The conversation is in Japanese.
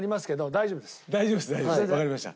大丈夫ですわかりました。